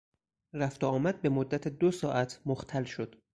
رفت و آمد به مدت دو ساعت مختل شد.